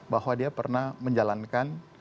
bahwa dia pernah menjalankan